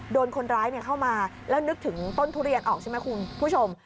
โดนคนร้ายเข้ามาแล้วนึกถึงต้นทุเรียนออกใช่ไหมคุณผู้ชม